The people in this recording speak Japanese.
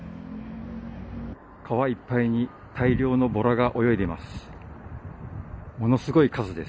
川いっぱいに大量のボラが泳いでいます。